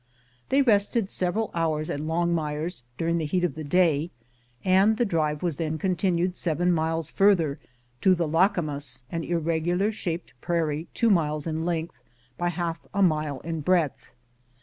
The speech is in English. They rested several hours at Longmire's 99 MOUNT RAINIER durine the heat of the day, and the drive was then con tinued seven miles farther, to the Lacamas, an irregular shaped prairie two miles in length by half a mile in breadth.